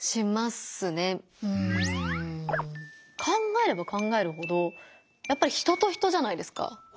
考えれば考えるほどやっぱり人と人じゃないですか。